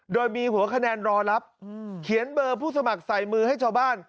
โดยมีหัวคะแนนรอรับเขียนเบอร์ผู้สมัครใส่มือให้ชาวบ้าน